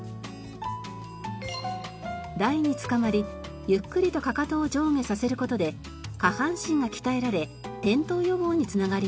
台につかまりゆっくりとかかとを上下させる事で下半身が鍛えられ転倒予防につながります。